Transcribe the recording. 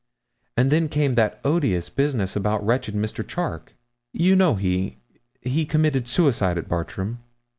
And then came that odious business about wretched Mr. Charke. You know he he committed suicide at Bartram.'